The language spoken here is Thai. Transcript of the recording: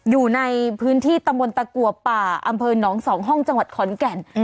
อยู่ในพื้นที่ตำบลตะกัวป่าอำเภอหนองสองห้องจังหวัดขอนแก่น